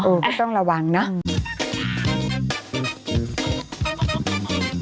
ก็ต้องระวังเนอะ